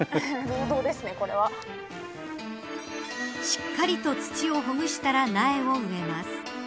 しっかりと土をほぐしたら苗を植えます。